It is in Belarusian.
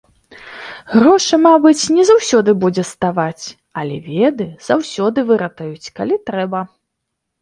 Грошай, мабыць, не заўсёды будзе ставаць, але веды заўсёды выратуюць, калі трэба.